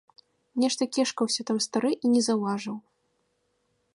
Нешта кешкаўся там стары і не заўважыў.